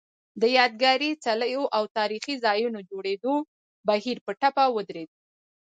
د یادګاري څلیو او تاریخي ځایونو جوړېدو بهیر په ټپه ودرېد